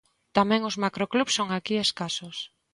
Tamén os macroclubs son aquí escasos.